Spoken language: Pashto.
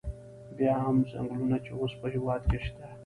بیا هم څنګلونه چې اوس په هېواد کې شته.